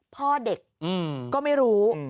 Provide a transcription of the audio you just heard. พ่อเด็กก็ไม่รู้